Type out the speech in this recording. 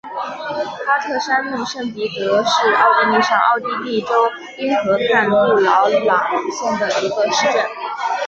哈特山麓圣彼得是奥地利上奥地利州因河畔布劳瑙县的一个市镇。